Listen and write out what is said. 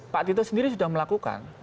pak tito sendiri sudah melakukan